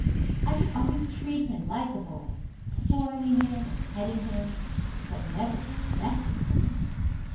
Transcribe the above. I should always treat him like a boy, spoiling him and petting him, but never respecting him.